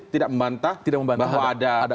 tidak membantah bahwa ada